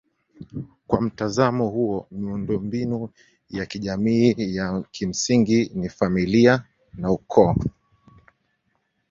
Kwa mtazamo huo miundombinu ya kijamii ya kimsingi ni familia na ukoo.